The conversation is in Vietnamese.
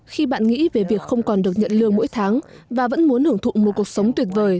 khi bạn nghĩ về việc không còn được nhận lương mỗi tháng và vẫn muốn hưởng thụ một cuộc sống tuyệt vời